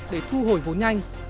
để thu hồi vốn nhanh